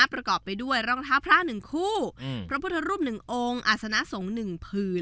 ประกอบไปด้วยรองท้าพระหนึ่งคู่พระพุทธรูปหนึ่งองค์อาศนสงค์หนึ่งพื้น